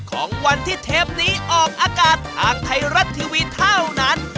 ของวันที่เทปนี้ออกอากาศทางไทยรัฐทีวีเท่านั้น